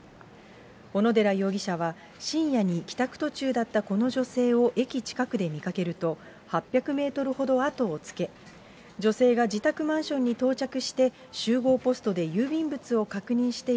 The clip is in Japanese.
小野寺容疑者は、深夜に帰宅途中だったこの女性を駅近くで見かけると、８００メートルほど後をつけ、女性が自宅マンションに到着して集合ポストで郵便物を確認してい